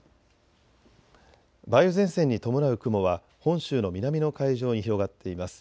梅雨前線に伴う雲は本州の南の海上に広がっています。